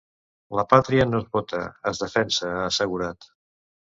La pàtria no es vota, es defensa, ha assegurat.